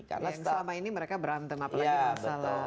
karena yang selama ini mereka berantem apalagi masalah